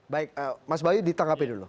baik mas bayu ditangkapi dulu